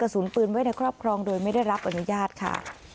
สุนปืนไว้ในครอบครองโดยไม่ได้รับอนุญาตค่ะ